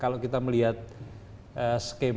kalau kita melihat sekalian